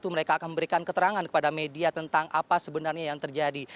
mereka akan memberikan keterangan kepada media tentang apa sebenarnya yang terjadi